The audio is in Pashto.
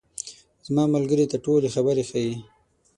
زما ملګري ته ټولې خبرې ښیې.